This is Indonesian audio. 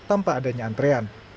tanpa adanya antrean